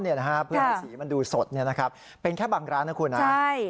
เพื่อให้สีมันดูสดเป็นแค่บางร้านนะคุณนะ